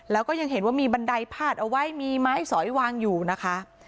แล้วก็ยังเห็นว่ามีบันไดพาดเอาไว้มีไม้สอยวางอยู่นะคะ